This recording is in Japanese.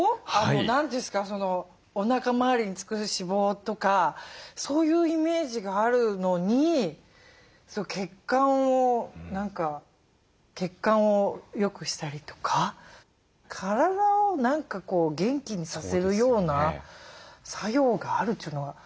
何ですかおなか回りに付く脂肪とかそういうイメージがあるのに血管を何か血管をよくしたりとか体を何か元気にさせるような作用があるというのが本当びっくりですね。